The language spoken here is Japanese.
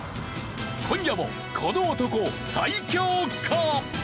今夜もこの男最強か！？